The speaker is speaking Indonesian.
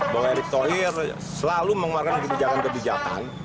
bahwa erick thohir selalu mengeluarkan kebijakan kebijakan